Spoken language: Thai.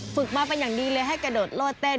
ฝึกมาเป็นอย่างดีเลยให้กระโดดโลดเต้น